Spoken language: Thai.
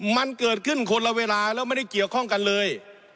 มันเกิดขึ้นคนละเวลาแล้วไม่ได้เกี่ยวข้องกันเลย